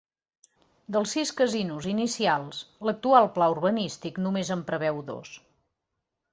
Dels sis casinos inicials, l’actual pla urbanístic només en preveu dos.